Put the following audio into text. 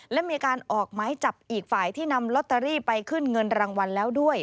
และมีการออกไม้จับอีกฝ่ายที่นำลอตเตอรี่ไปขึ้นเงินรางวัลแล้วด้วย